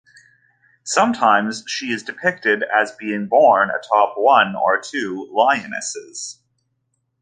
Sometimes she is depicted as being borne atop one or two lionesses.